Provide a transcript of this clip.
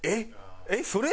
えっそれ。